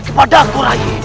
kepada aku rai